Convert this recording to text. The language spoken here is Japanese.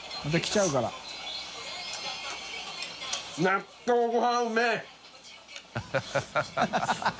納豆ごはんうめぇ！